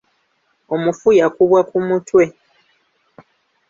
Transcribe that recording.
Omufu yakubwa ku mutwe.